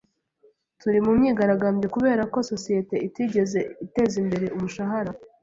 Turi mu myigaragambyo kubera ko sosiyete itigeze itezimbere umushahara.